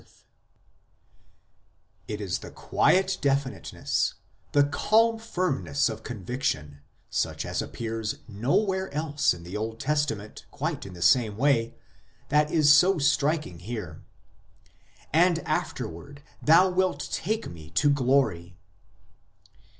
1 Lit. "fat." 220 IMMORTALITY AND THE UNSEEN WORLD It is the quiet definiteness, the calm firmness of conviction, such as appears nowhere else in the Old Testament quite in the same way, that is so striking here: "And after ward Thou wilt take me to glory."